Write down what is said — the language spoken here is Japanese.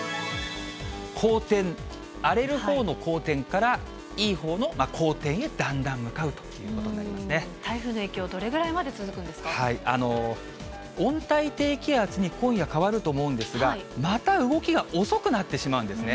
荒天、荒れるほうの荒天から、いいほうの好天へだんだん向かうというこ台風の影響、どれぐらいまで温帯低気圧に今夜、変わると思うんですが、また動きが遅くなってしまうんですね。